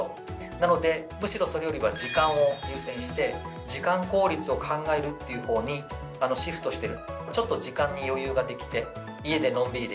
なのでむしろそれよりも時間を優先して時間効率を考えるって方にシフトしてる。